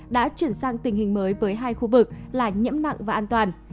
đã chuyển sang tình hình mới với hai khu vực là nhiễm nặng và an toàn